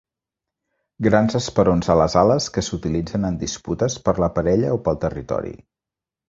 Grans esperons a les ales que s'utilitzen en disputes per la parella o pel territori.